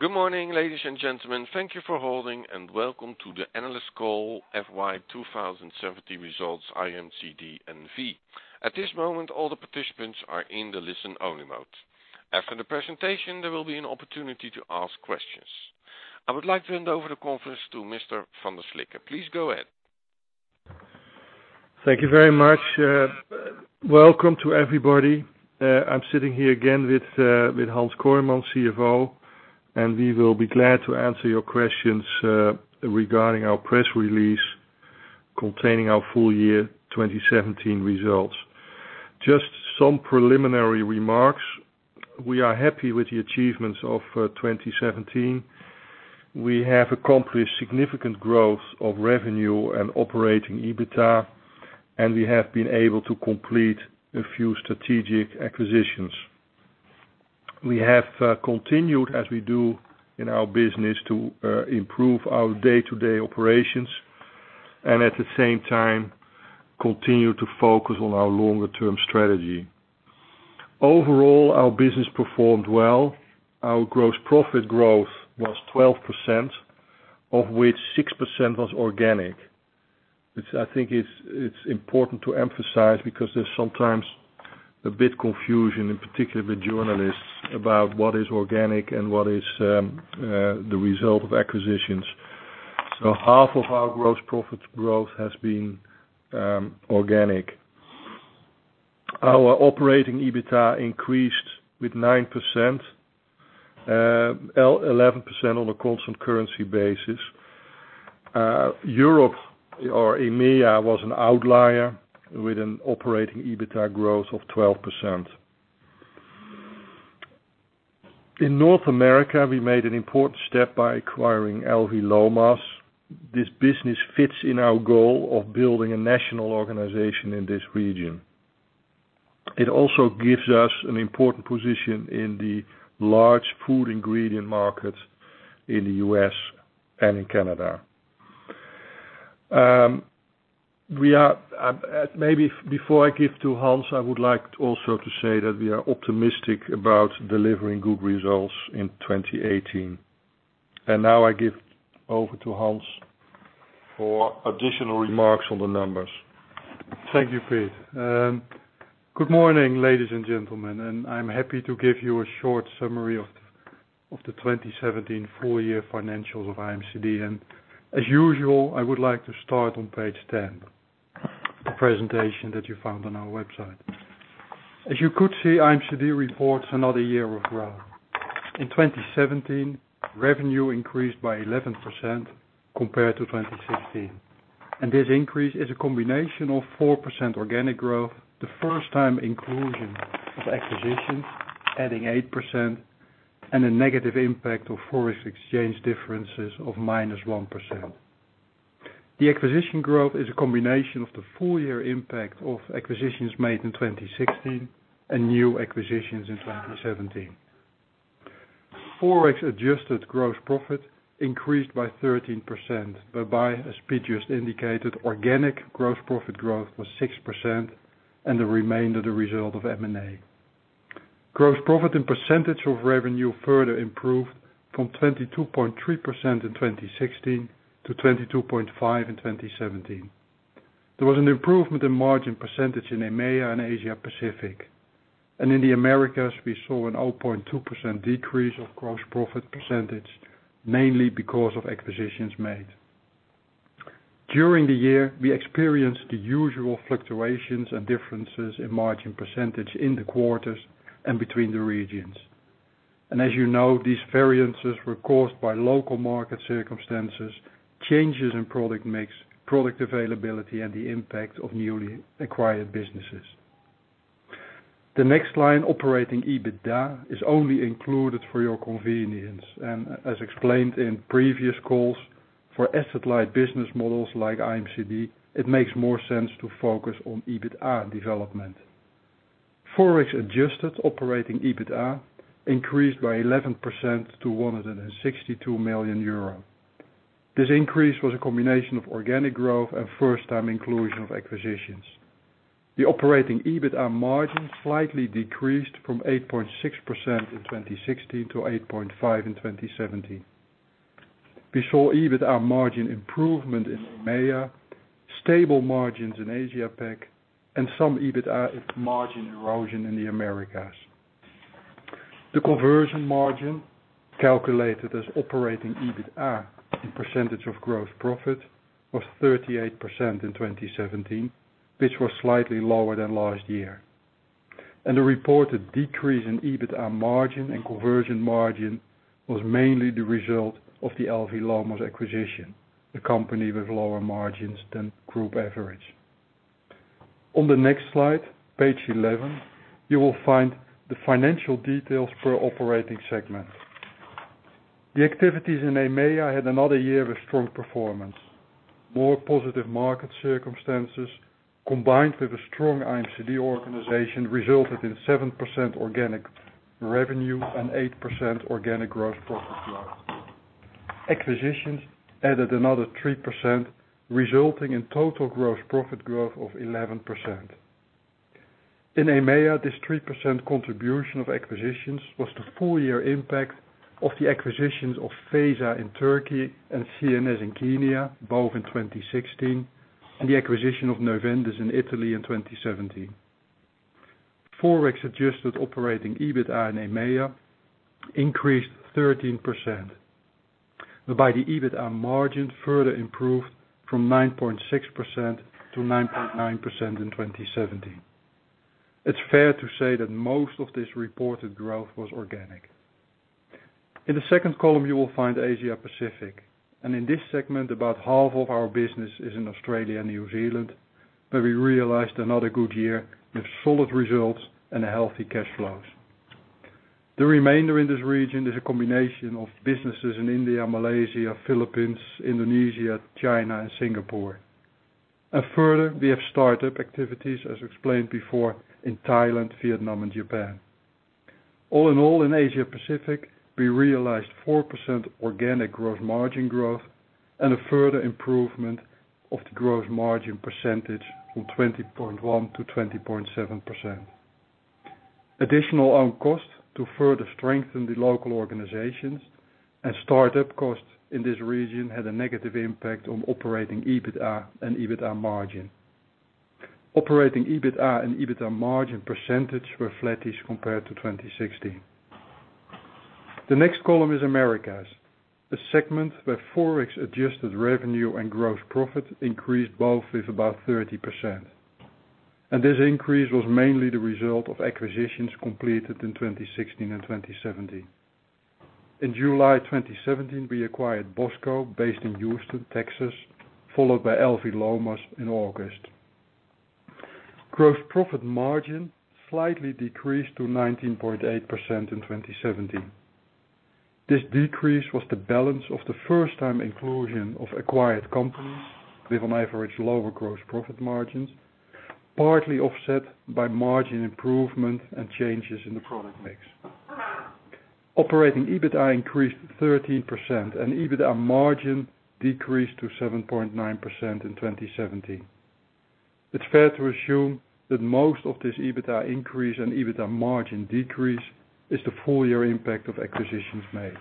Good morning, ladies and gentlemen. Thank you for holding and welcome to the analyst call FY 2017 results IMCD N.V. At this moment, all the participants are in the listen-only mode. After the presentation, there will be an opportunity to ask questions. I would like to hand over the conference to Mr. van der Slikke. Please go ahead. Thank you very much. Welcome to everybody. I'm sitting here again with Hans Kooijmans, CFO, and we will be glad to answer your questions regarding our press release containing our full year 2017 results. Just some preliminary remarks. We are happy with the achievements of 2017. We have accomplished significant growth of revenue and operating EBITDA, and we have been able to complete a few strategic acquisitions. We have continued as we do in our business to improve our day-to-day operations and at the same time continue to focus on our longer-term strategy. Overall, our business performed well. Our gross profit growth was 12%, of which 6% was organic, which I think it's important to emphasize because there's sometimes a bit confusion, in particular with journalists about what is organic and what is the result of acquisitions. Half of our gross profit growth has been organic. Our operating EBITDA increased with 9%, 11% on a constant currency basis. Europe or EMEA was an outlier with an operating EBITDA growth of 12%. In North America, we made an important step by acquiring L.V. Lomas. This business fits in our goal of building a national organization in this region. It also gives us an important position in the large food ingredients market in the U.S. and in Canada. Maybe before I give to Hans, I would like also to say that we are optimistic about delivering good results in 2018. Now I give over to Hans for additional remarks on the numbers. Thank you, Piet. Good morning, ladies and gentlemen, I'm happy to give you a short summary of the 2017 full year financials of IMCD. As usual, I would like to start on page 10 of the presentation that you found on our website. As you could see, IMCD reports another year of growth. In 2017, revenue increased by 11% compared to 2016. This increase is a combination of 4% organic growth, the first time inclusion of acquisitions adding 8%, and a negative impact of Forex exchange differences of minus 1%. The acquisition growth is a combination of the full year impact of acquisitions made in 2016 and new acquisitions in 2017. Forex adjusted gross profit increased by 13%, whereby, as Piet just indicated, organic gross profit growth was 6% and the remainder the result of M&A. Gross profit and percentage of revenue further improved from 22.3% in 2016 to 22.5% in 2017. There was an improvement in margin percentage in EMEA and Asia Pacific. In the Americas, we saw a 0.2% decrease of gross profit percentage, mainly because of acquisitions made. During the year, we experienced the usual fluctuations and differences in margin percentage in the quarters and between the regions. As you know, these variances were caused by local market circumstances, changes in product mix, product availability, and the impact of newly acquired businesses. The next line, operating EBITDA, is only included for your convenience and as explained in previous calls for asset-light business models like IMCD, it makes more sense to focus on EBITDA development. Forex adjusted operating EBITDA increased by 11% to 162 million euro. This increase was a combination of organic growth and first-time inclusion of acquisitions. The operating EBITDA margin slightly decreased from 8.6% in 2016 to 8.5% in 2017. We saw EBITDA margin improvement in EMEA, stable margins in Asia Pac, and some EBITDA margin erosion in the Americas. The conversion margin calculated as operating EBITDA in percentage of gross profit was 38% in 2017, which was slightly lower than last year. The reported decrease in EBITDA margin and conversion margin was mainly the result of the L.V. Lomas acquisition, the company with lower margins than group average. On the next slide, page 11, you will find the financial details per operating segment. The activities in EMEA had another year of strong performance. More positive market circumstances combined with a strong IMCD organization resulted in 7% organic revenue and 8% organic gross profit growth. Acquisitions added another 3%, resulting in total gross profit growth of 11%. In EMEA, this 3% contribution of acquisitions was the full year impact of the acquisitions of Feza in Turkey and C&S in Kenya, both in 2016, and the acquisition of Neuvendis in Italy in 2017. Forex-adjusted operating EBITDA in EMEA increased 13%, whereby the EBITDA margin further improved from 9.6% to 9.9% in 2017. It is fair to say that most of this reported growth was organic. In the second column, you will find Asia Pacific. In this segment, about half of our business is in Australia and New Zealand, where we realized another good year with solid results and healthy cash flows. The remainder in this region is a combination of businesses in India, Malaysia, Philippines, Indonesia, China, and Singapore. Further, we have startup activities, as explained before, in Thailand, Vietnam, and Japan. All in all, in Asia Pacific, we realized 4% organic gross margin growth and a further improvement of the gross margin percentage from 20.1% to 20.7%. Additional own costs to further strengthen the local organizations and startup costs in this region had a negative impact on operating EBITDA and EBITDA margin. Operating EBITDA and EBITDA margin percentage were flattish compared to 2016. The next column is Americas, a segment where Forex-adjusted revenue and gross profit increased both with about 30%. This increase was mainly the result of acquisitions completed in 2016 and 2017. In July 2017, we acquired Bossco, based in Houston, Texas, followed by L.V. Lomas in August. Gross profit margin slightly decreased to 19.8% in 2017. This decrease was the balance of the first-time inclusion of acquired companies with on average lower gross profit margins, partly offset by margin improvement and changes in the product mix. Operating EBITDA increased 13%, and EBITDA margin decreased to 7.9% in 2017. It's fair to assume that most of this EBITDA increase and EBITDA margin decrease is the full-year impact of acquisitions made.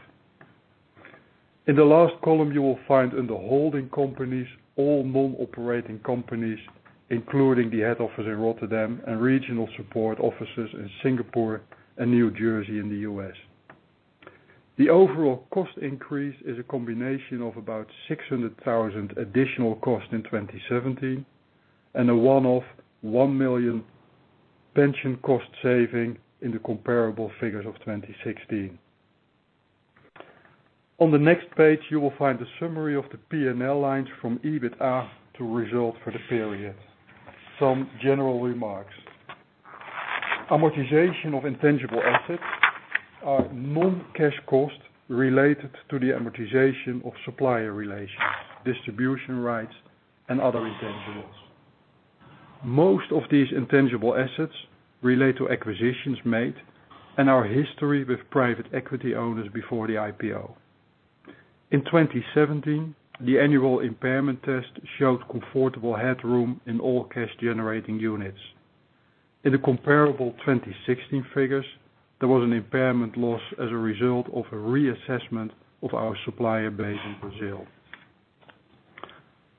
In the last column, you will find under holding companies, all non-operating companies, including the head office in Rotterdam and regional support offices in Singapore and New Jersey in the U.S. The overall cost increase is a combination of about 600,000 additional cost in 2017 and a one-off 1 million pension cost saving in the comparable figures of 2016. On the next page, you will find the summary of the P&L lines from EBITDA to result for the period. Some general remarks. Amortization of intangible assets are non-cash costs related to the amortization of supplier relations, distribution rights, and other intangibles. Most of these intangible assets relate to acquisitions made and our history with private equity owners before the IPO. In 2017, the annual impairment test showed comfortable headroom in all cash-generating units. In the comparable 2016 figures, there was an impairment loss as a result of a reassessment of our supplier base in Brazil.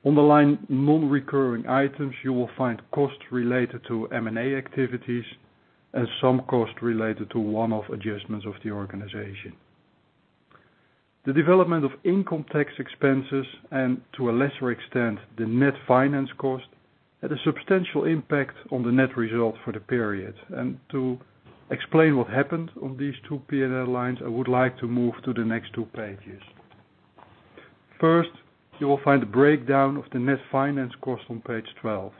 On the line non-recurring items, you will find costs related to M&A activities and some costs related to one-off adjustments of the organization. The development of income tax expenses, and to a lesser extent, the net finance cost, had a substantial impact on the net result for the period. To explain what happened on these two P&L lines, I would like to move to the next two pages. First, you will find a breakdown of the net finance cost on page 12.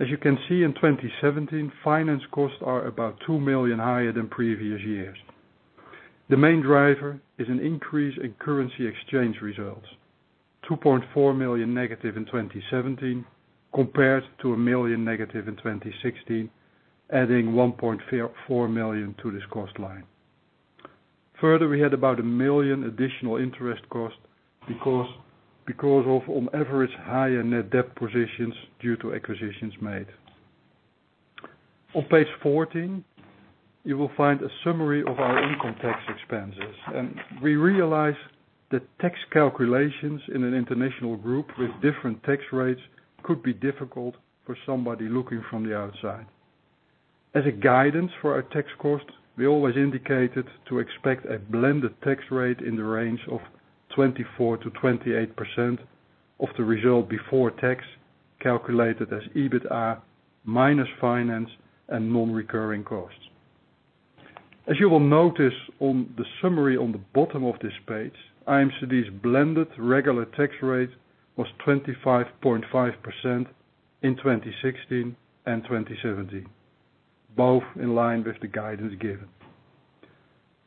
As you can see, in 2017, finance costs are about 2 million higher than previous years. The main driver is an increase in currency exchange results, 2.4 million negative in 2017 compared to 1 million negative in 2016, adding 1.4 million to this cost line. Further, we had about 1 million additional interest costs because of on average higher net debt positions due to acquisitions made. On page 14, you will find a summary of our income tax expenses, and we realize that tax calculations in an international group with different tax rates could be difficult for somebody looking from the outside. As a guidance for our tax costs, we always indicated to expect a blended tax rate in the range of 24%-28% of the result before tax, calculated as EBITDA minus finance and non-recurring costs. As you will notice on the summary on the bottom of this page, IMCD's blended regular tax rate was 25.5% in 2016 and 2017, both in line with the guidance given.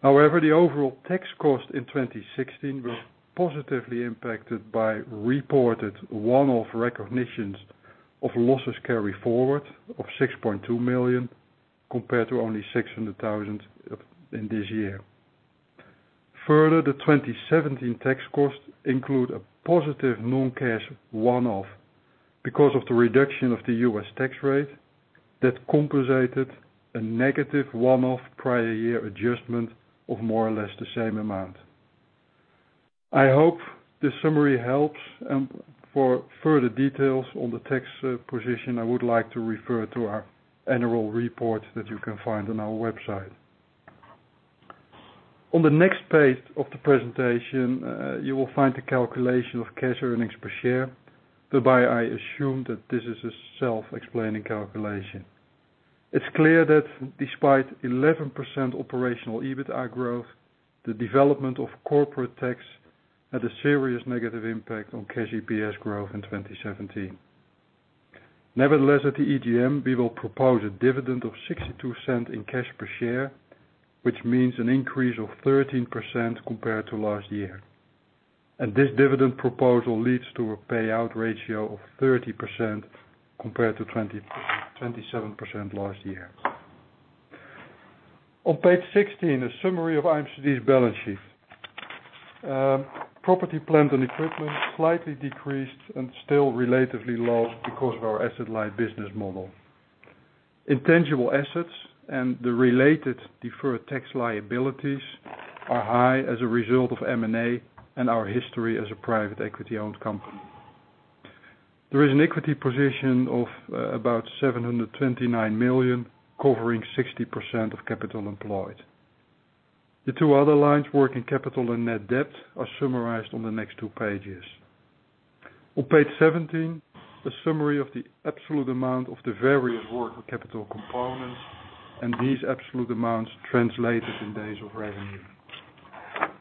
However, the overall tax cost in 2016 was positively impacted by reported one-off recognitions of losses carry forward of 6.2 million compared to only 600,000 in this year. Further, the 2017 tax costs include a positive non-cash one-off because of the reduction of the U.S. tax rate that compensated a negative one-off prior year adjustment of more or less the same amount. I hope this summary helps. For further details on the tax position, I would like to refer to our annual report that you can find on our website. On the next page of the presentation, you will find the calculation of cash earnings per share. Thereby, I assume that this is a self-explaining calculation. It's clear that despite 11% operating EBITDA growth, the development of corporate tax had a serious negative impact on cash EPS growth in 2017. Nevertheless, at the EGM, we will propose a dividend of 0.62 in cash per share, which means an increase of 13% compared to last year. This dividend proposal leads to a payout ratio of 30% compared to 27% last year. On page 16, a summary of IMCD's balance sheet. Property, plant, and equipment slightly decreased and still relatively low because of our asset-light business model. Intangible assets and the related deferred tax liabilities are high as a result of M&A and our history as a private equity-owned company. There is an equity position of about 729 million, covering 60% of capital employed. The two other lines, working capital and net debt, are summarized on the next two pages. On page 17, a summary of the absolute amount of the various working capital components and these absolute amounts translated in days of revenue.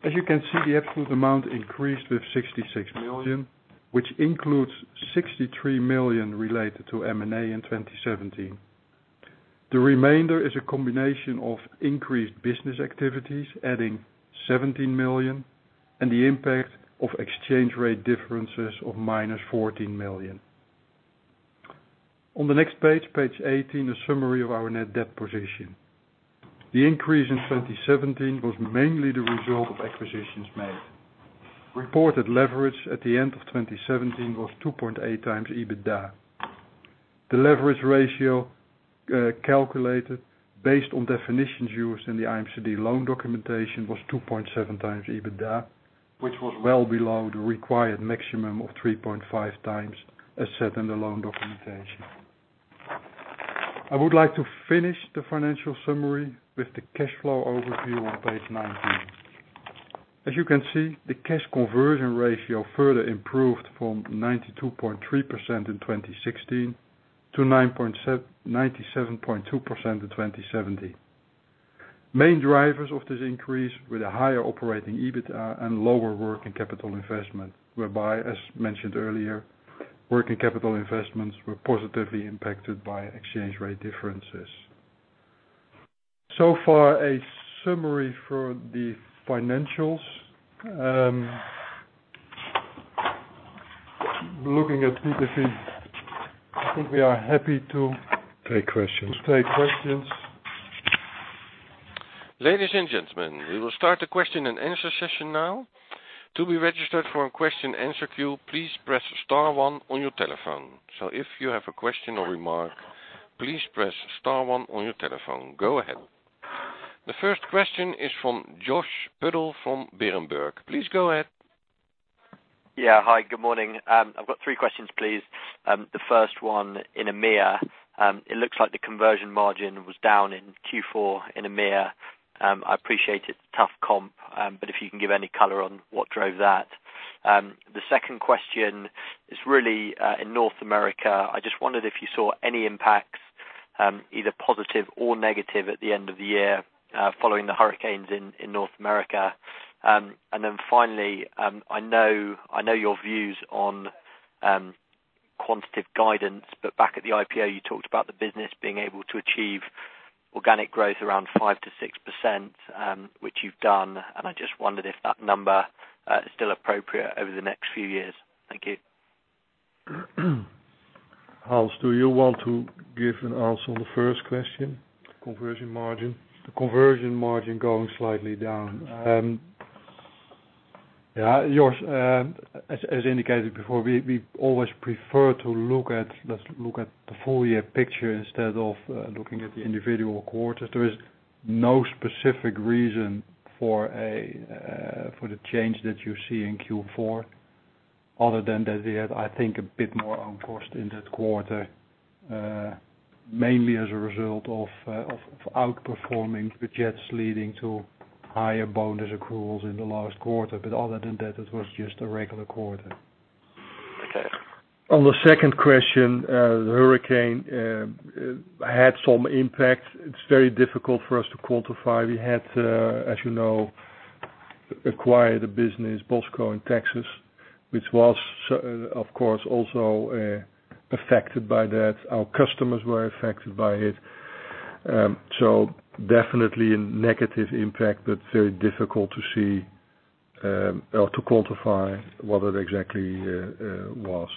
As you can see, the absolute amount increased with 66 million, which includes 63 million related to M&A in 2017. The remainder is a combination of increased business activities, adding 17 million, and the impact of exchange rate differences of minus 14 million. On the next page 18, a summary of our net debt position. The increase in 2017 was mainly the result of acquisitions made. Reported leverage at the end of 2017 was 2.8 times EBITDA. The leverage ratio calculated based on definitions used in the IMCD loan documentation was 2.7 times EBITDA, which was well below the required maximum of 3.5 times as set in the loan documentation. I would like to finish the financial summary with the cash flow overview on page 19. As you can see, the cash conversion ratio further improved from 92.3% in 2016 to 97.2% in 2017. Main drivers of this increase were the higher operating EBITDA and lower working capital investment, whereby, as mentioned earlier, working capital investments were positively impacted by exchange rate differences. So far, a summary for the financials. Looking at Piet van, I think we are happy to take questions. Ladies and gentlemen, we will start the question and answer session now. To be registered for a question and answer queue, please press star one on your telephone. If you have a question or remark, please press star one on your telephone. Go ahead. The first question is from Josh Puddle from Berenberg. Please go ahead. Yeah. Hi, good morning. I've got three questions, please. The first one in EMEA. It looks like the conversion margin was down in Q4 in EMEA. I appreciate it's a tough comp, but if you can give any color on what drove that. The second question is really in North America. I just wondered if you saw any impacts, either positive or negative at the end of the year, following the hurricanes in North America. Finally, I know your views on quantitative guidance, but back at the IPO, you talked about the business being able to achieve organic growth around 5%-6%, which you've done, and I just wondered if that number is still appropriate over the next few years. Thank you. Hans, do you want to give an answer on the first question? Conversion margin. The conversion margin going slightly down. Yeah, as indicated before, we always prefer to look at the full year picture instead of looking at the individual quarters. There is no specific reason for the change that you see in Q4 other than that we had, I think, a bit more own cost in that quarter, mainly as a result of outperforming the targets leading to higher bonus accruals in the last quarter. Other than that, it was just a regular quarter. Okay. On the second question, the hurricane had some impact. It's very difficult for us to quantify. We had, as you know, acquired a business, Bossco, in Texas, which was, of course, also affected by that. Our customers were affected by it. Definitely a negative impact, but very difficult to see or to quantify what it exactly was.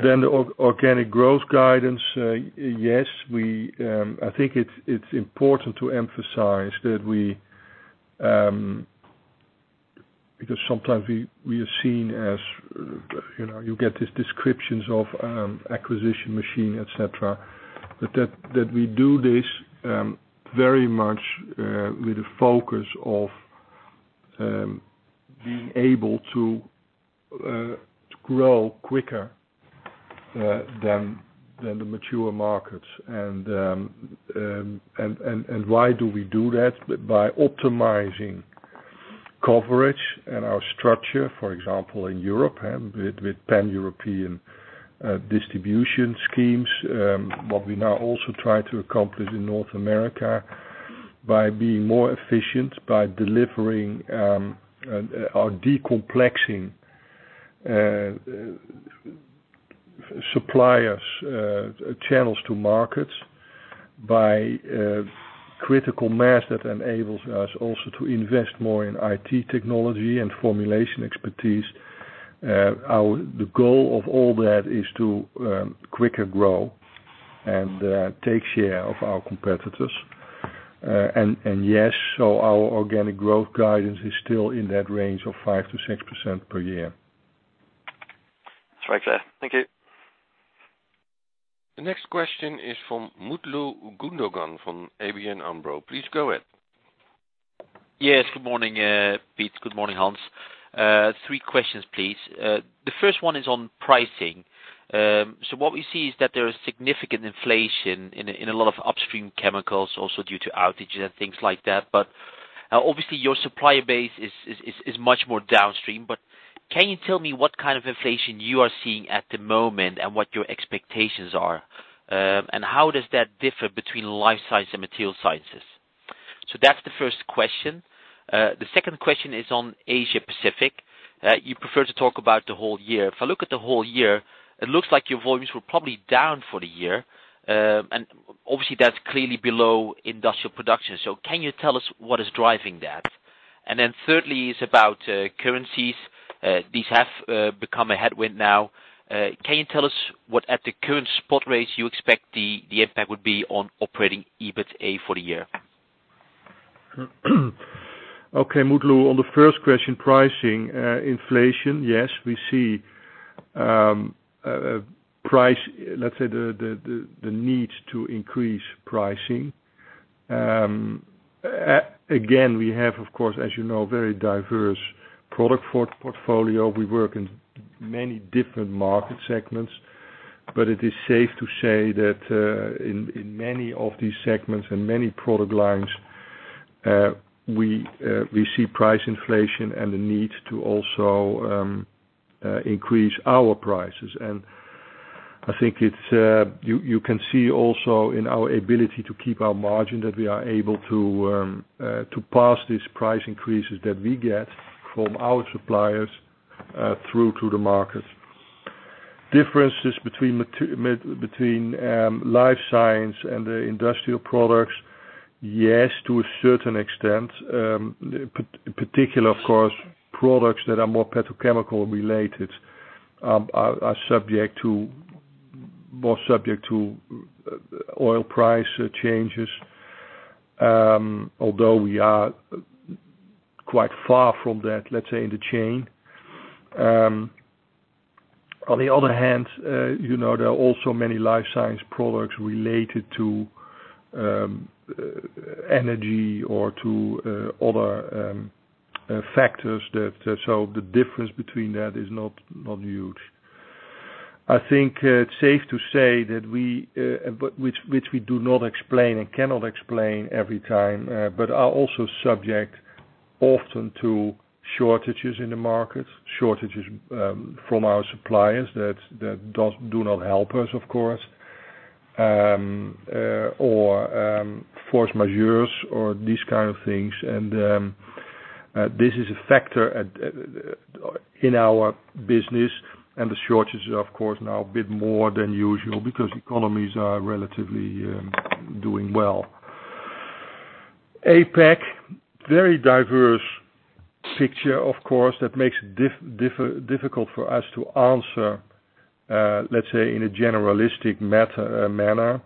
The organic growth guidance. Yes, I think it's important to emphasize that we Because sometimes you get these descriptions of acquisition machine, et cetera, but that we do this very much with the focus of being able to grow quicker than the mature markets. Why do we do that? By optimizing coverage and our structure, for example, in Europe with Pan-European distribution schemes. What we now also try to accomplish in North America by being more efficient, by delivering or decomplexing suppliers channels to markets, by critical mass that enables us also to invest more in IT technology and formulation expertise. The goal of all that is to quicker grow and take share of our competitors. Our organic growth guidance is still in that range of 5%-6% per year. It's very clear. Thank you. The next question is from Mutlu Gundogan from ABN AMRO. Please go ahead. Yes. Good morning, Piet. Good morning, Hans. Three questions, please. The first one is on pricing. What we see is that there is significant inflation in a lot of upstream chemicals also due to outages and things like that. Obviously your supplier base is much more downstream. Can you tell me what kind of inflation you are seeing at the moment and what your expectations are? How does that differ between life science and material sciences? That's the first question. The second question is on Asia-Pacific. You prefer to talk about the whole year. If I look at the whole year, it looks like your volumes were probably down for the year. Obviously that's clearly below industrial production. Can you tell us what is driving that? Thirdly is about currencies. These have become a headwind now. Can you tell us what at the current spot rates you expect the impact would be on operating EBITDA for the year? Okay, Mutlu. On the first question, pricing. Inflation, yes, we see, let's say, the need to increase pricing. Again, we have, of course, as you know, very diverse product portfolio. We work in many different market segments, but it is safe to say that, in many of these segments and many product lines, we see price inflation and the need to also increase our prices. I think you can see also in our ability to keep our margin, that we are able to pass these price increases that we get from our suppliers through to the market. Differences between life science and the industrial products. Yes, to a certain extent. In particular, of course, products that are more petrochemical related are more subject to oil price changes. Although we are quite far from that, let's say, in the chain. On the other hand, there are also many life science products related to energy or to other factors. The difference between that is not huge. I think it's safe to say that which we do not explain and cannot explain every time, but are also subject often to shortages in the market, shortages from our suppliers that do not help us, of course, or force majeures or these kind of things. This is a factor in our business and the shortages are, of course, now a bit more than usual because economies are relatively doing well. APAC, very diverse picture, of course, that makes it difficult for us to answer, let's say, in a generalistic manner.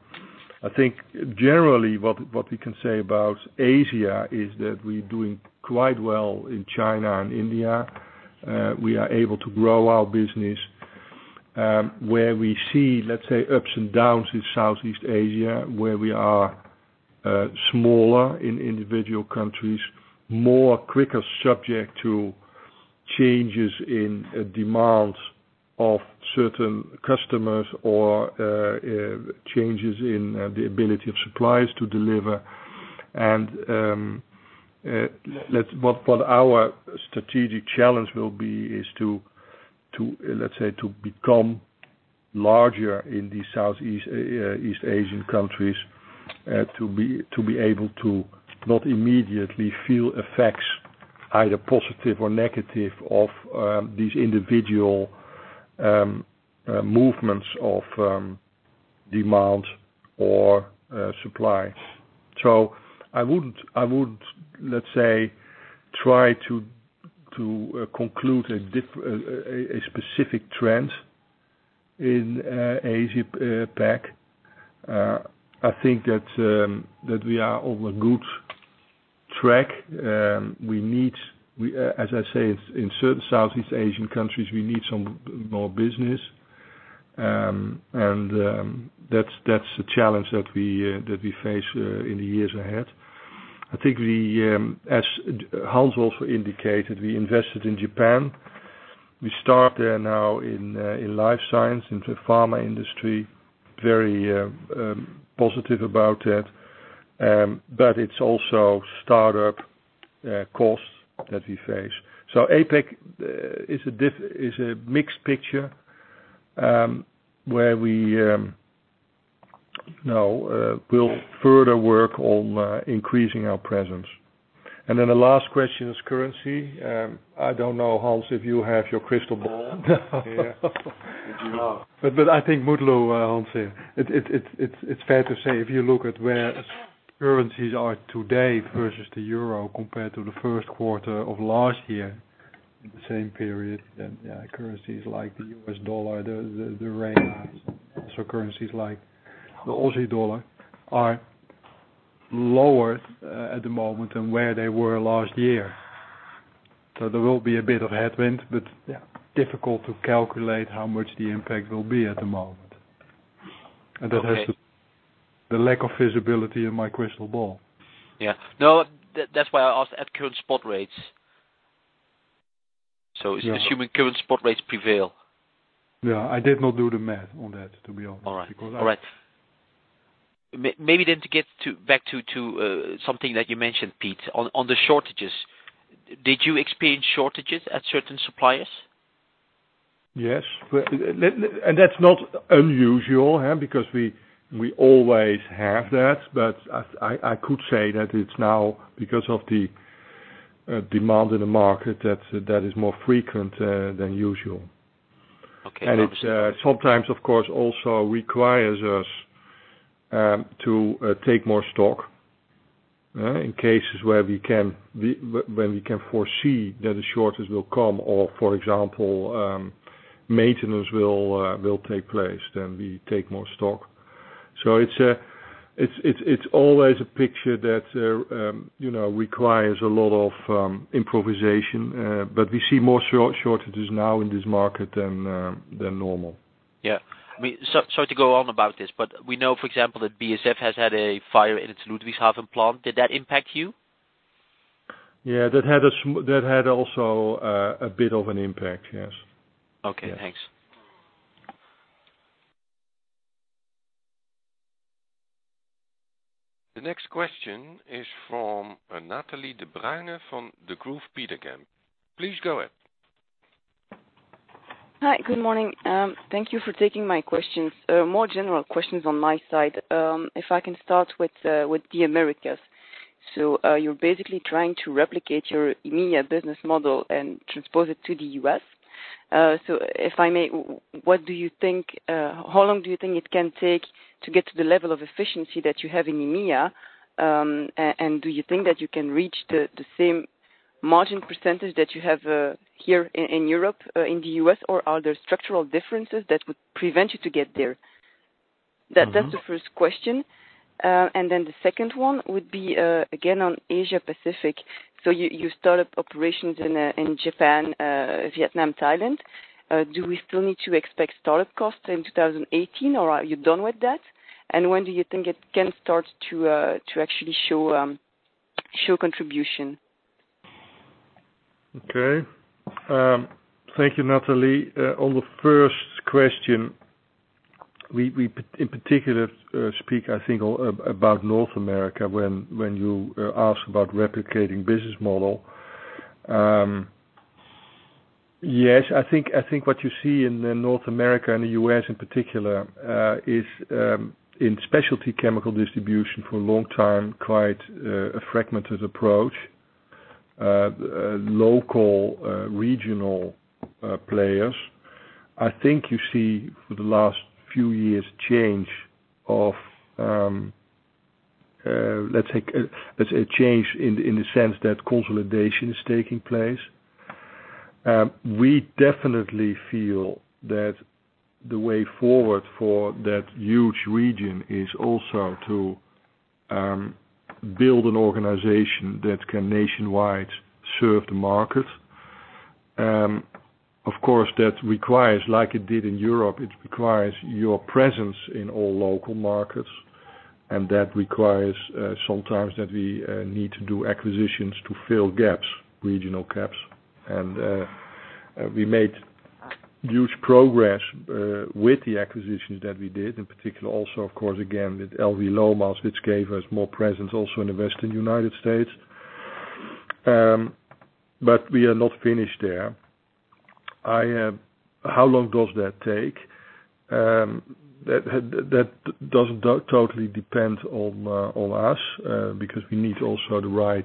I think generally what we can say about Asia is that we're doing quite well in China and India. We are able to grow our business. Where we see, let's say, ups and downs in Southeast Asia, where we are smaller in individual countries, more quicker subject to changes in demands of certain customers or changes in the ability of suppliers to deliver. What our strategic challenge will be is to, let's say, to become larger in these Southeast Asian countries. To be able to not immediately feel effects, either positive or negative, of these individual movements of demand or supplies. I would, let's say, to conclude a specific trend in APAC. I think that we are on a good track. As I said, in certain Southeast Asian countries, we need some more business. That's a challenge that we face in the years ahead. I think as Hans also indicated, we invested in Japan. We start there now in life science, in the pharma industry. Very positive about it. It's also startup costs that we face. APAC is a mixed picture, where we'll further work on increasing our presence. Then the last question is currency. I don't know, Hans, if you have your crystal ball here. I think, Mutlu, Hans, it's fair to say, if you look at where currencies are today versus the euro compared to the Q1 of last year, the same period, then currencies like the US dollar, the renminbi, also currencies like the Aussie dollar are lower at the moment than where they were last year. There will be a bit of headwind, but difficult to calculate how much the impact will be at the moment. Okay. That has the lack of visibility in my crystal ball. Yeah. No, that's why I asked at current spot rates. Yeah. Assuming current spot rates prevail. Yeah, I did not do the math on that, to be honest. All right. Maybe to get back to something that you mentioned, Piet, on the shortages. Did you experience shortages at certain suppliers? Yes. That's not unusual, because we always have that, but I could say that it's now because of the demand in the market that is more frequent than usual. Okay. It sometimes, of course, also requires us to take more stock, in cases where we can foresee that a shortage will come or, for example, maintenance will take place, we take more stock. It's always a picture that requires a lot of improvisation. We see more shortages now in this market than normal. Yeah. Sorry to go on about this, we know, for example, that BASF has had a fire in its Ludwigshafen plant. Did that impact you? Yeah, that had also a bit of an impact, yes. Okay, thanks. The next question is from Nathalie Debruyne from Degroof Petercam. Please go ahead. Hi. Good morning. Thank you for taking my questions. More general questions on my side. If I can start with the Americas. You're basically trying to replicate your EMEA business model and transpose it to the U.S. If I may, how long do you think it can take to get to the level of efficiency that you have in EMEA? Do you think that you can reach the same margin percentage that you have here in Europe, in the U.S.? Are there structural differences that would prevent you to get there? That's the first question. The second one would be, again, on Asia Pacific. You start up operations in Japan, Vietnam, Thailand. Do we still need to expect startup costs in 2018, or are you done with that? When do you think it can start to actually show contribution? Okay. Thank you, Nathalie. On the first question, we, in particular, speak, I think about North America when you ask about replicating business model. Yes, I think what you see in North America and the U.S. in particular, is in specialty chemicals distribution for a long time, quite a fragmented approach. Local, regional players. I think you see for the last few years, a change in the sense that consolidation is taking place. We definitely feel that the way forward for that huge region is also to build an organization that can nationwide serve the market. Of course, that requires, like it did in Europe, it requires your presence in all local markets, and that requires, sometimes that we need to do acquisitions to fill gaps, regional gaps. We made huge progress with the acquisitions that we did, in particular, also, of course, again, with L.V. Lomas, which gave us more presence also in the Western United States. We are not finished there. How long does that take? That doesn't totally depend on us, because we need also the right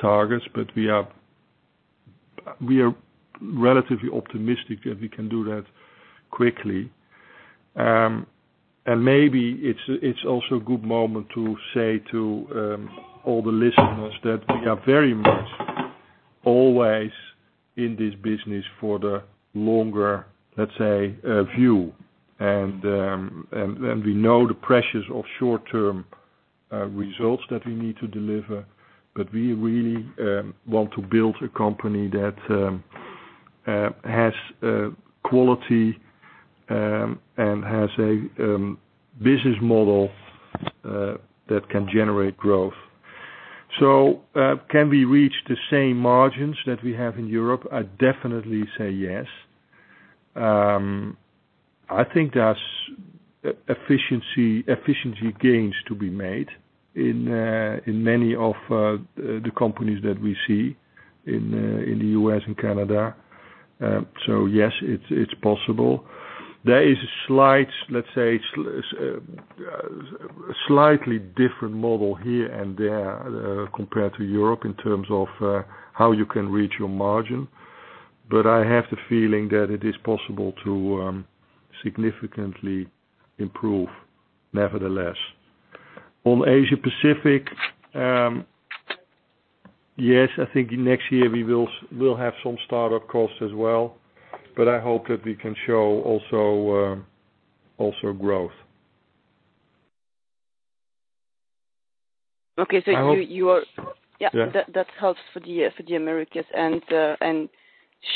targets, but we are relatively optimistic that we can do that quickly. Maybe it's also a good moment to say to all the listeners that we are very much always in this business for the longer, let's say, view. We know the pressures of short-term results that we need to deliver, but we really want to build a company that has quality, and has a business model that can generate growth. Can we reach the same margins that we have in Europe? I definitely say yes. I think there's efficiency gains to be made in many of the companies that we see in the U.S. and Canada. Yes, it's possible. There is, let's say, a slightly different model here and there, compared to Europe in terms of how you can reach your margin. I have the feeling that it is possible to significantly improve, nevertheless. On Asia Pacific, yes, I think next year we will have some start-up costs as well, I hope that we can show also growth. Okay. I hope. Yeah. That helps for the Americas and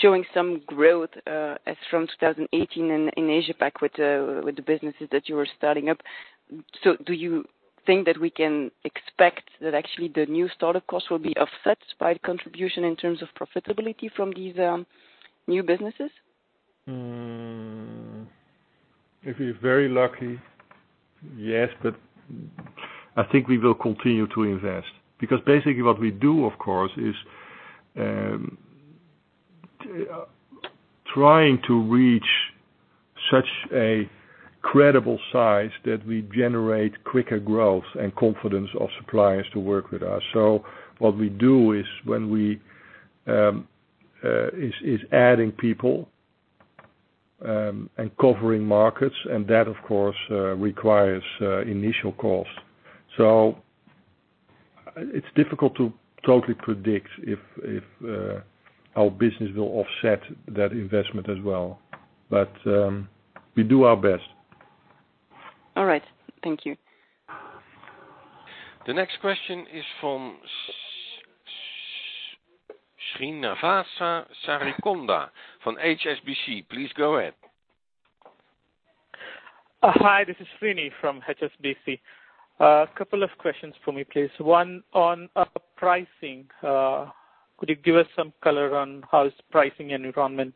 showing some growth, as from 2018 in Asia PAC with the businesses that you were starting up. Do you think that we can expect that actually the new start of costs will be offset by contribution in terms of profitability from these new businesses? If we're very lucky, yes. I think we will continue to invest. Basically what we do, of course, is trying to reach such a credible size that we generate quicker growth and confidence of suppliers to work with us. What we do is adding people, and covering markets, and that, of course, requires initial costs. It's difficult to totally predict if our business will offset that investment as well. We do our best. All right. Thank you. The next question is from Srinivasa Sarikonda from HSBC. Please go ahead. Srini from HSBC. A couple of questions for me, please. One on pricing. Could you give us some color on how is pricing environment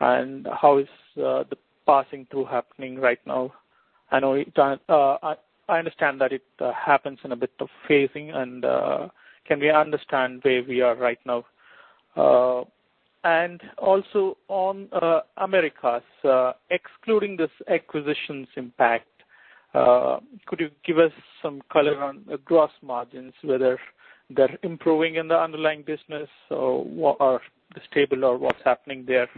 and how is the passing through happening right now? I understand that it happens in a bit of phasing and can we understand where we are right now? Also on Americas, excluding this acquisitions impact, could you give us some color on the gross margins, whether they're improving in the underlying business or are stable or what's happening there?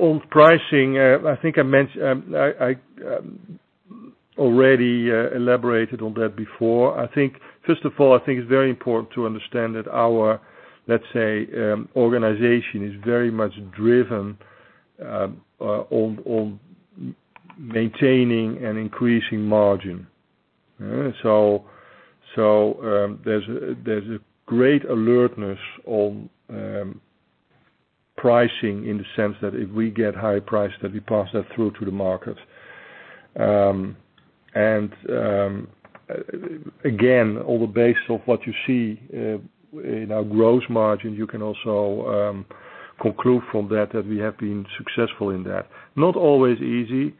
On pricing, I think I already elaborated on that before. First of all, I think it's very important to understand that our, let's say, organization is very much driven on maintaining and increasing margin. There's a great alertness on pricing in the sense that if we get high price, that we pass that through to the market. Again, on the basis of what you see in our gross margin, you can also conclude from that we have been successful in that. Not always easy.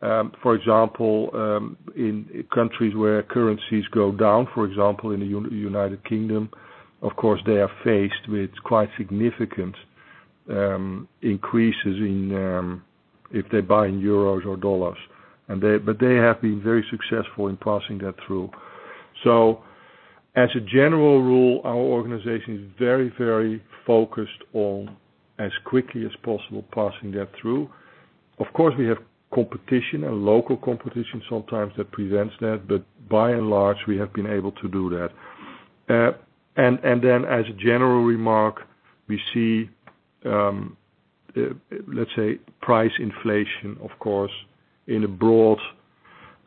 For example, in countries where currencies go down, for example, in United Kingdom, of course, they are faced with quite significant increases if they buy in euros or dollars. They have been very successful in passing that through. As a general rule, our organization is very focused on as quickly as possible passing that through. Of course, we have competition and local competition sometimes that prevents that, but by and large, we have been able to do that. As a general remark, we see, let's say, price inflation, of course, in a broad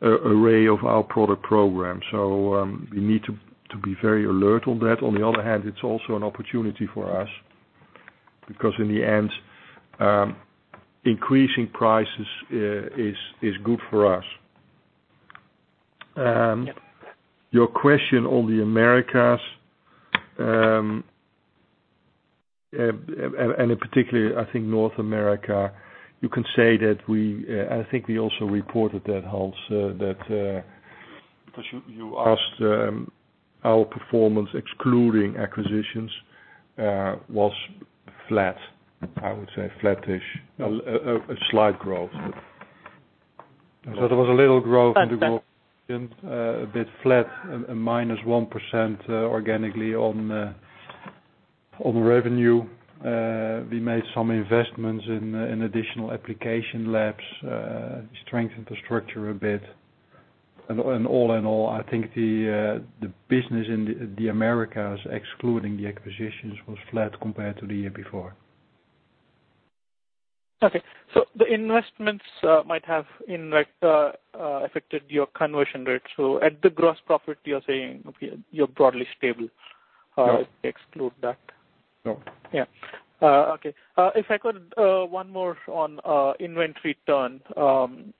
array of our product program. We need to be very alert on that. On the other hand, it's also an opportunity for us because in the end, increasing prices is good for us. Yep. Your question on the Americas, and in particular, I think North America, I think we also reported that, Hans. Because you asked our performance excluding acquisitions, was flat. I would say flat-ish. A slight growth. There was a little growth in the growth region, a bit flat and -1% organically on revenue. We made some investments in additional application labs, strengthened the structure a bit. All in all, I think the business in the Americas, excluding the acquisitions, was flat compared to the year before. Okay. The investments might have in like affected your conversion rate. At the gross profit, you're saying you're broadly stable. No. Exclude that. No. Yeah. Okay. If I could, one more on inventory turn.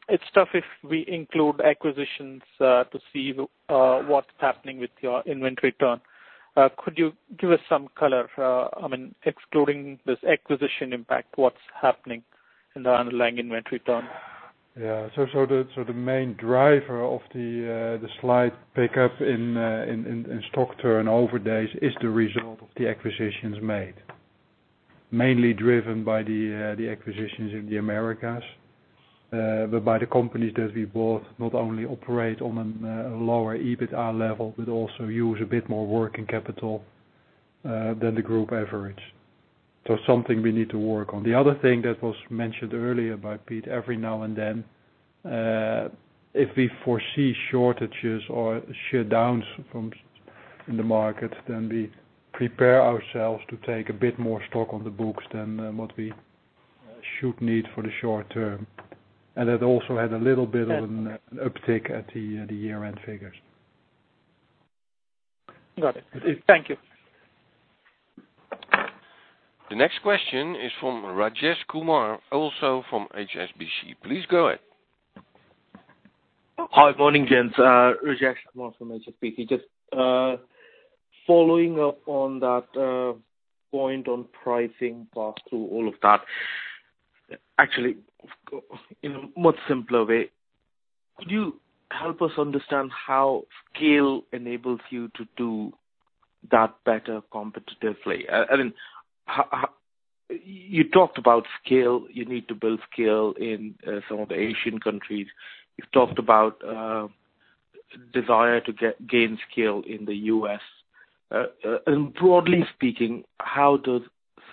It's tough if we include acquisitions to see what's happening with your inventory turn. Could you give us some color? I mean, excluding this acquisition impact, what's happening in the underlying inventory turn? The main driver of the slight pickup in stock turnover days is the result of the acquisitions made. Mainly driven by the acquisitions in the Americas, but by the companies that we bought, not only operate on a lower EBITDA level, but also use a bit more working capital than the group average. Something we need to work on. The other thing that was mentioned earlier by Piet, every now and then, if we foresee shortages or shutdowns in the market, then we prepare ourselves to take a bit more stock on the books than what we should need for the short term. That also had a little bit of an uptick at the year-end figures. Got it. Thank you. The next question is from Rajesh Kumar, also from HSBC. Please go ahead. Hi. Morning, gents. Rajesh Kumar from HSBC. Just following up on that point on pricing pass through all of that. Actually, in a much simpler way, could you help us understand how scale enables you to do that better competitively? I mean, you talked about scale. You need to build scale in some of the Asian countries. You've talked about desire to gain scale in the U.S. Broadly speaking, how does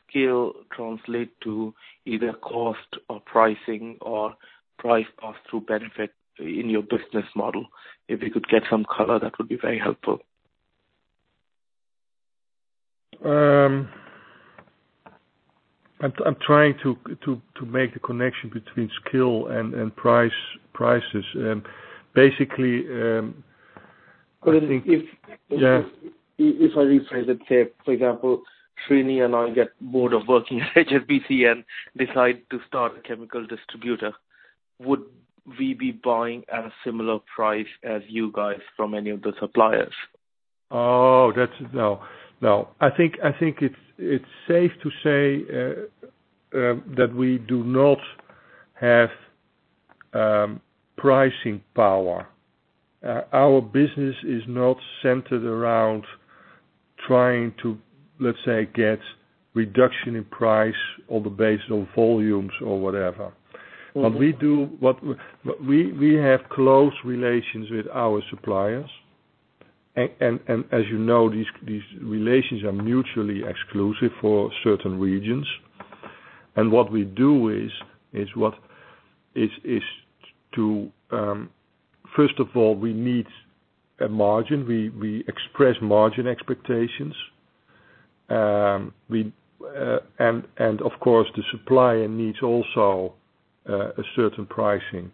scale translate to either cost or pricing or price pass-through benefit in your business model? If you could get some color, that would be very helpful. I'm trying to make the connection between scale and prices. Basically, If- Yeah. If I rephrase it, say, for example, Srini and I get bored of working at HSBC and decide to start a chemical distributor, would we be buying at a similar price as you guys from any of the suppliers? Oh, that's No. I think it's safe to say that we do not have pricing power. Our business is not centered around trying to, let's say, get reduction in price on the basis of volumes or whatever. We have close relations with our suppliers. As you know, these relations are mutually exclusive for certain regions. What we do is to, first of all, we need a margin. We express margin expectations. Of course, the supplier needs also a certain pricing.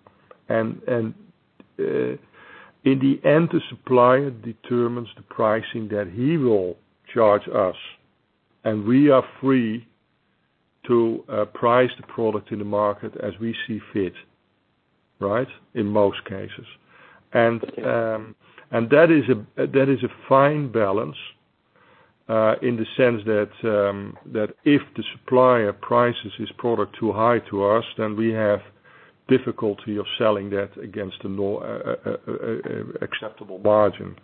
In the end, the supplier determines the pricing that he will charge us, and we are free to price the product in the market as we see fit. Right? In most cases. Yeah. That is a fine balance, in the sense that if the supplier prices his product too high to us, then we have difficulty of selling that against the acceptable margin.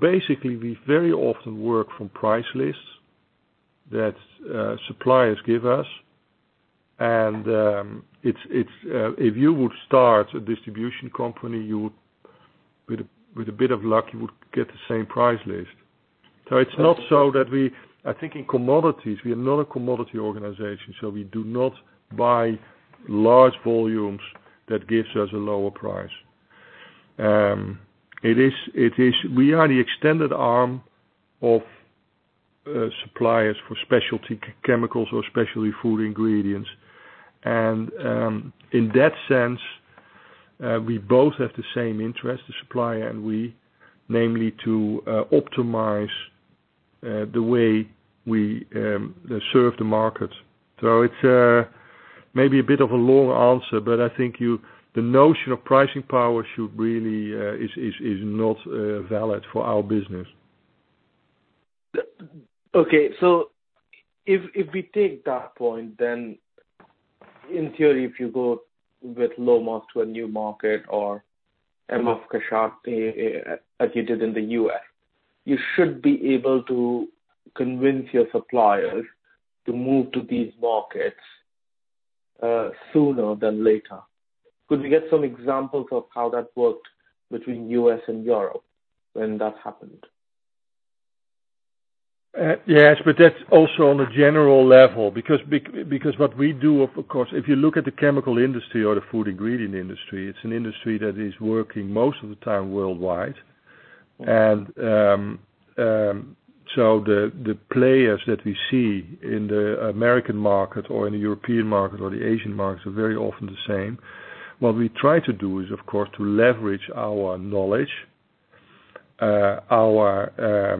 Basically, we very often work from price lists that suppliers give us. If you would start a distribution company, with a bit of luck, you would get the same price list. It's not so that we I think in commodities, we are not a commodity organization, so we do not buy large volumes that gives us a lower price. We are the extended arm of suppliers for specialty chemicals or specialty food ingredients. In that sense, we both have the same interest, the supplier and we, namely to optimize the way we serve the market. It's maybe a bit of a long answer, but I think the notion of pricing power really is not valid for our business. Okay. If we take that point, in theory, if you go with L.V. Lomas to a new market or M.F. Cachat, as you did in the U.S., you should be able to convince your suppliers to move to these markets sooner than later. Could we get some examples of how that worked between U.S. and Europe when that happened? Yes, that's also on a general level. What we do, of course, if you look at the chemical industry or the food ingredient industry, it's an industry that is working most of the time worldwide. The players that we see in the American market or in the European market or the Asian markets are very often the same. What we try to do is, of course, to leverage our knowledge, our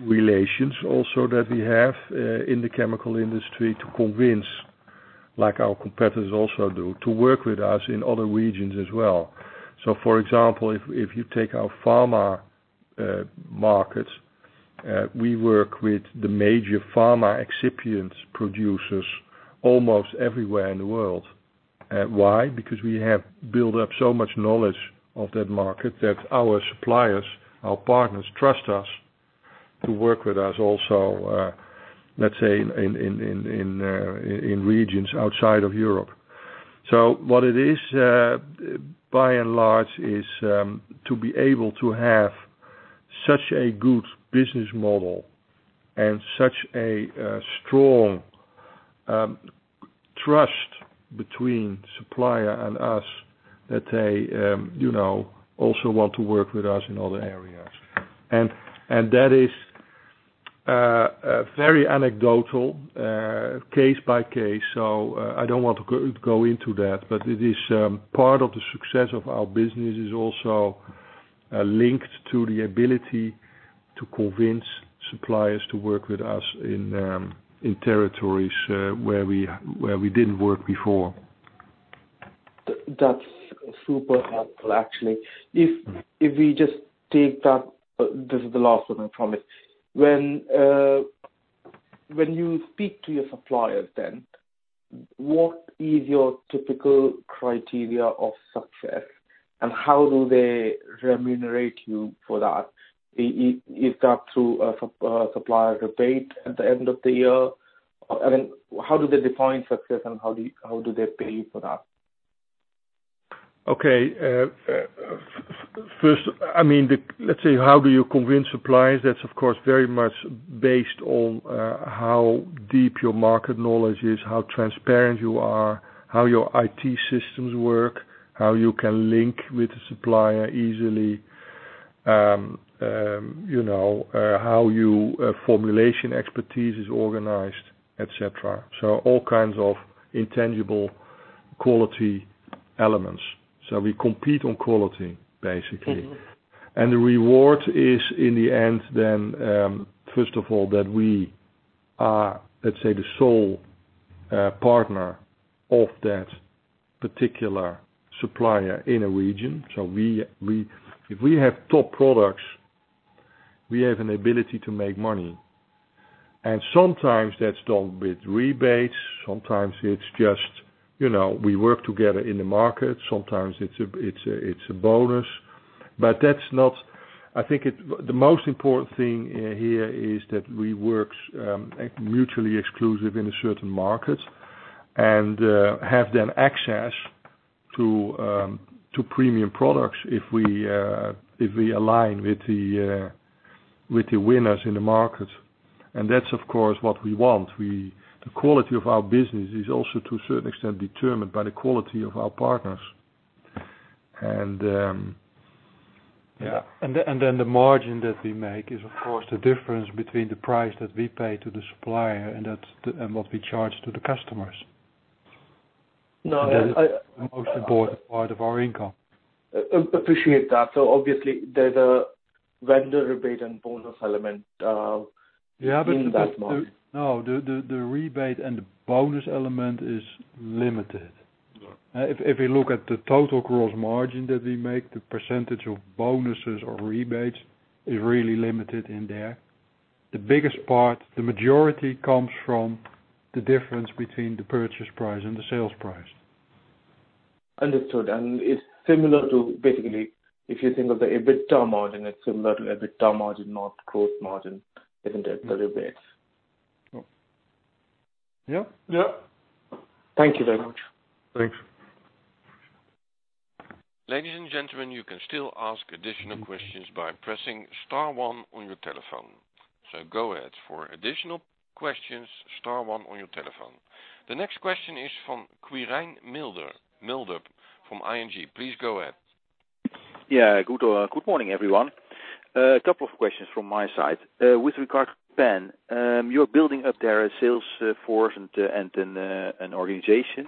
relations also that we have in the chemical industry to convince, like our competitors also do, to work with us in other regions as well. For example, if you take our pharma markets, we work with the major pharma excipient producers almost everywhere in the world. Why? We have built up so much knowledge of that market that our suppliers, our partners, trust us to work with us also, let's say in regions outside of Europe. What it is, by and large, is to be able to have such a good business model and such a strong trust between supplier and us that they also want to work with us in other areas. That is very anecdotal, case by case. I don't want to go into that, but it is part of the success of our business is also linked to the ability to convince suppliers to work with us in territories, where we didn't work before. That's super helpful, actually. If we just take that, this is the last of them, I promise. When you speak to your suppliers then, what is your typical criteria of success, and how do they remunerate you for that? Is that through a supplier rebate at the end of the year? How do they define success and how do they pay you for that? Okay. First, let's say, how do you convince suppliers? That's of course very much based on how deep your market knowledge is, how transparent you are, how your IT systems work, how you can link with the supplier easily, how your formulation expertise is organized, et cetera. All kinds of intangible quality elements. We compete on quality, basically. The reward is in the end then, first of all, that we are, let's say, the sole partner of that particular supplier in a region. If we have top products, we have an ability to make money. Sometimes that's done with rebates, sometimes it's just we work together in the market, sometimes it's a bonus. I think the most important thing here is that we work mutually exclusive in a certain market and have then access to premium products if we align with the winners in the market. That's of course what we want. The quality of our business is also to a certain extent determined by the quality of our partners. The margin that we make is of course the difference between the price that we pay to the supplier and what we charge to the customers. No. That is the most important part of our income. Appreciate that. Obviously there's a vendor rebate and bonus element. Yeah. In that margin. No, the rebate and the bonus element is limited. Yeah. If you look at the total gross margin that we make, the percentage of bonuses or rebates is really limited in there. The biggest part, the majority comes from the difference between the purchase price and the sales price. Understood. It's similar to basically, if you think of the EBITDA margin, it's similar to EBITDA margin, not gross margin, isn't it? The rebates. Yeah. Yeah. Thank you very much. Thanks. Ladies and gentlemen, you can still ask additional questions by pressing star one on your telephone. Go ahead. For additional questions, star one on your telephone. The next question is from Quirijn Mulder from ING. Please go ahead. Good morning, everyone. A couple of questions from my side. With regard to Japan, you're building up their sales force and an organization,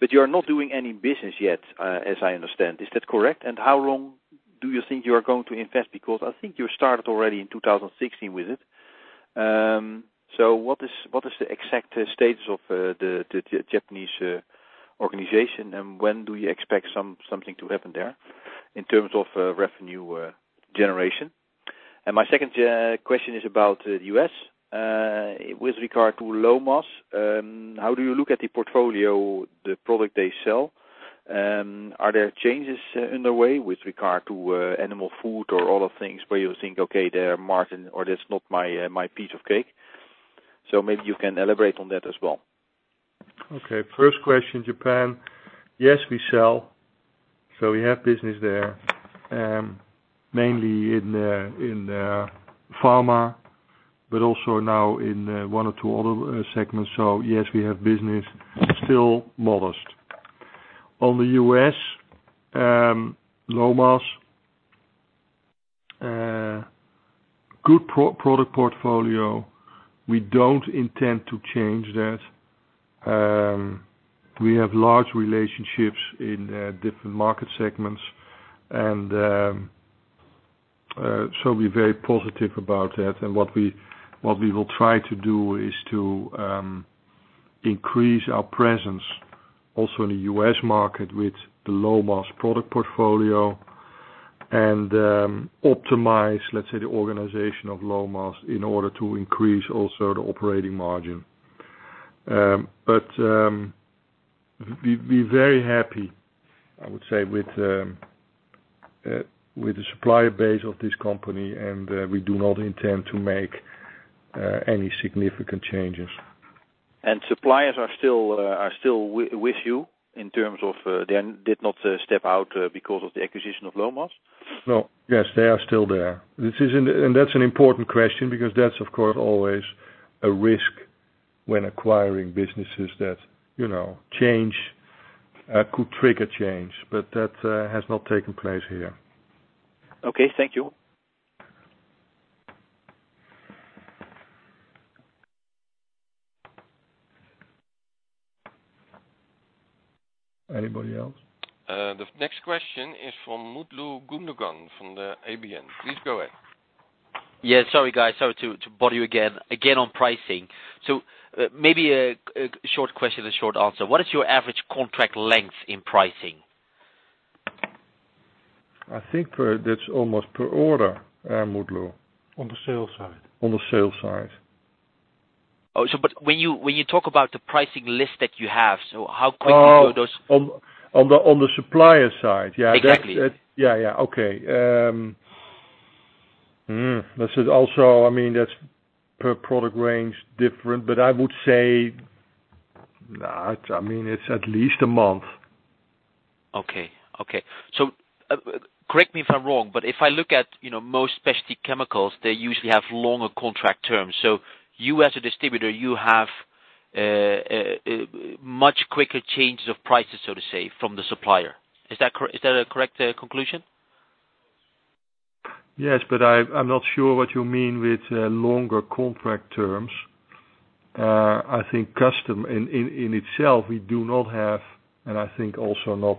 but you're not doing any business yet, as I understand. Is that correct? How long do you think you are going to invest? Because I think you started already in 2016 with it. What is the exact status of the Japanese organization, and when do you expect something to happen there in terms of revenue generation? My second question is about the U.S. With regard to Lomas, how do you look at the portfolio, the product they sell? Are there changes underway with regard to animal food or other things where you think, "Okay, their margin, or that's not my piece of cake." Maybe you can elaborate on that as well. Okay. First question, Japan. Yes, we sell. We have business there, mainly in pharma, but also now in one or two other segments. Yes, we have business, still modest. On the U.S., Lomas, good product portfolio. We don't intend to change that. We have large relationships in different market segments, and we're very positive about that. What we will try to do is to increase our presence also in the U.S. market with the Lomas product portfolio and, optimize, let's say, the organization of Lomas in order to increase also the operating margin. We're very happy, I would say, with the supplier base of this company, and we do not intend to make any significant changes. Suppliers are still with you in terms of they did not step out because of the acquisition of Lomas? No. Yes, they are still there. That's an important question because that's, of course, always a risk when acquiring businesses that change could trigger change. That has not taken place here. Okay. Thank you. Anybody else? The next question is from Mutlu Gundogan from the ABN. Please go ahead. Yeah. Sorry, guys. Sorry to bother you again. Again, on pricing. Maybe a short question and short answer. What is your average contract length in pricing? I think that's almost per order, Mutlu. On the sales side. On the sales side. Oh, when you talk about the pricing list that you have, how quickly do those- Oh. On the supplier side. Yeah. Exactly. Yeah. Okay. Hmm. That's per product range, different, but I would say, it's at least a month. Okay. Correct me if I'm wrong, but if I look at most pesticide chemicals, they usually have longer contract terms. You as a distributor, you have much quicker changes of prices, so to say, from the supplier. Is that a correct conclusion? Yes, I'm not sure what you mean with longer contract terms. I think custom in itself, we do not have, and I think also not,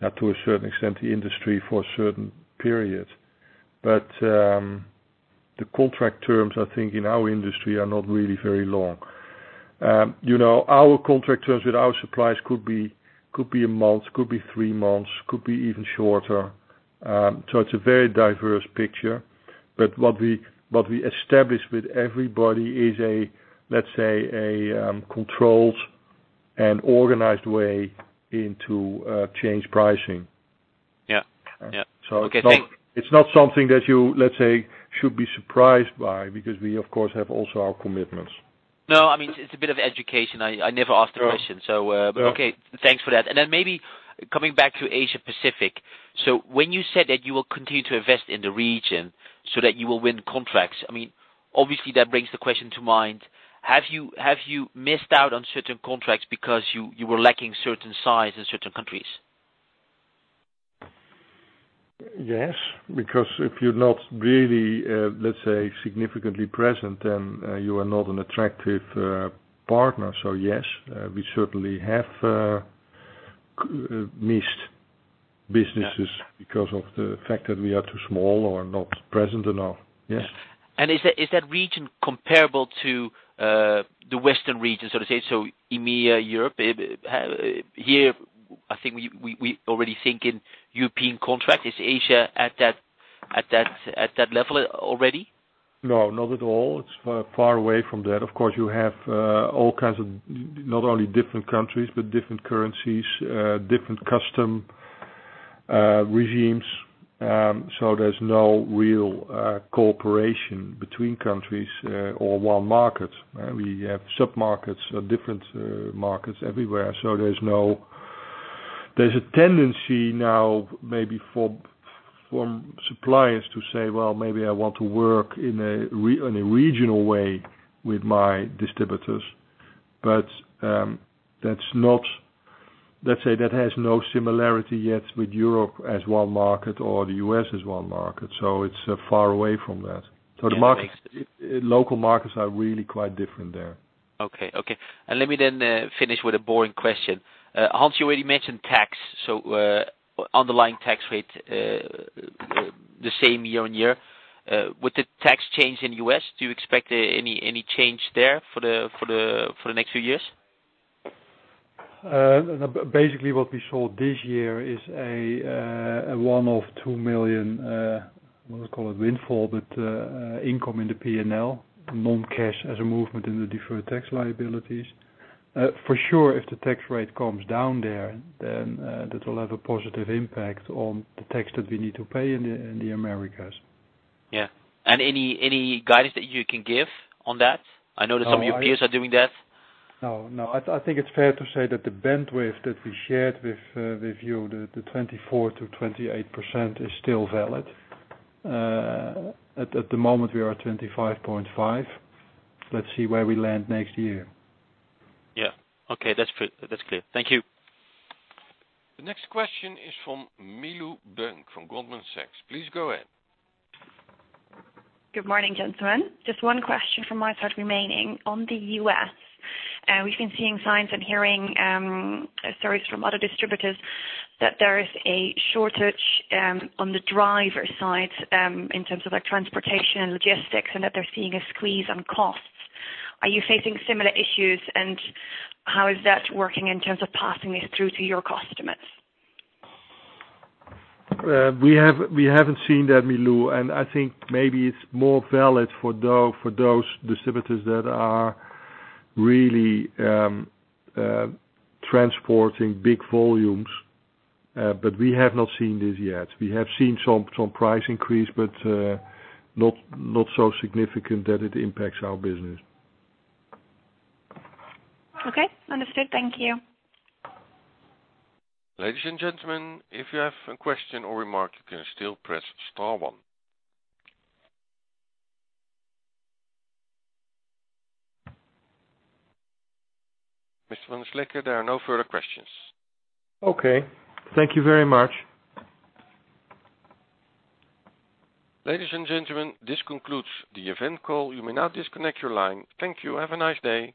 to a certain extent, the industry for a certain period. The contract terms, I think in our industry, are not really very long. Our contract terms with our suppliers could be a month, could be three months, could be even shorter. It's a very diverse picture. What we established with everybody is a, let's say, a controlled and organized way into change pricing. Yeah. Okay. It's not something that you, let's say, should be surprised by because we, of course, have also our commitments. No, it's a bit of education. I never asked the question. Sure. thanks for that. Then maybe coming back to Asia Pacific, when you said that you will continue to invest in the region so that you will win contracts, obviously, that brings the question to mind, have you missed out on certain contracts because you were lacking certain size in certain countries? Because if you're not really, let's say, significantly present, then you are not an attractive partner. Yes, we certainly have missed businesses because of the fact that we are too small or not present enough. Yes. Is that region comparable to the Western region, so to say, EMEA, Europe? Here, I think we already think in European contract. Is Asia at that level already? No, not at all. It's far away from that. Of course, you have all kinds of, not only different countries, but different currencies, different custom regimes. There's no real cooperation between countries or one market. We have sub-markets, different markets everywhere. There's a tendency now maybe from suppliers to say, "Well, maybe I want to work in a regional way with my distributors." Let's say that has no similarity yet with Europe as one market or the U.S. as one market. It's far away from that. Yeah. Local markets are really quite different there. Okay. Let me then finish with a boring question. Hans, you already mentioned tax. Underlying tax rate, the same year-on-year. With the tax change in U.S., do you expect any change there for the next few years? Basically, what we saw this year is a one-off 2 million, we'll call it windfall, but income in the P&L, non-cash as a movement in the deferred tax liabilities. If the tax rate comes down there, that will have a positive impact on the tax that we need to pay in the Americas. Yeah. Any guidance that you can give on that? I know that some of your peers are doing that. No. I think it's fair to say that the bandwidth that we shared with you, the 24%-28%, is still valid. At the moment, we are at 25.5%. Let's see where we land next year. Yeah. Okay. That's clear. Thank you. The next question is from Milou Dunk from Goldman Sachs. Please go ahead. Good morning, gentlemen. Just one question from my side remaining on the U.S. We've been seeing signs and hearing stories from other distributors that there is a shortage on the driver side in terms of transportation and logistics and that they're seeing a squeeze on costs. Are you facing similar issues and how is that working in terms of passing this through to your customers? We haven't seen that, Milou, and I think maybe it's more valid for those distributors that are really transporting big volumes. We have not seen this yet. We have seen some price increase, but not so significant that it impacts our business. Okay. Understood. Thank you. Ladies and gentlemen, if you have a question or remark, you can still press star one. Mr. van der Slikke, there are no further questions. Okay. Thank you very much. Ladies and gentlemen, this concludes the event call. You may now disconnect your line. Thank you. Have a nice day.